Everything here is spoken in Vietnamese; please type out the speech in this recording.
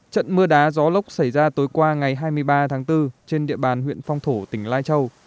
trận mưa đá gió lốc xảy ra tối qua ngày hai mươi ba tháng bốn trên địa bàn huyện phong thổ tỉnh lai châu